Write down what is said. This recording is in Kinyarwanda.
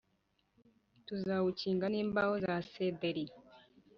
tuzawukinga n’imbaho za sederi